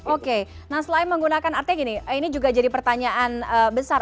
oke nah selain menggunakan artinya gini ini juga jadi pertanyaan besar